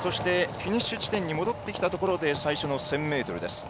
フィニッシュ地点に戻ってきたところで最初の１０００ｍです。